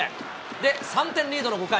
で、３点リードの５回。